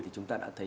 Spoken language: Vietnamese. thì chúng ta đã thấy